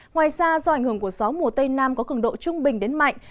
ngoài ra do ảnh hưởng của gió mùa tây nam có cường độ trung bình